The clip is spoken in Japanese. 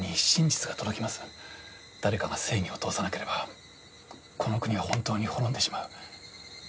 誰かが正義を通さなければこの国は本当に滅んでしまう。